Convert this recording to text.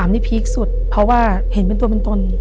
นี่พีคสุดเพราะว่าเห็นเป็นตัวเป็นตน